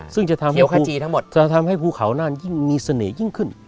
ซึ่งจะทำให้ภูเขาน่านยิ่งมีเสน่ห์ยิ่งขึ้น